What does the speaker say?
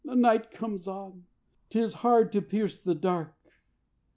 "The night comes on. 'T is hard to pierce the dark.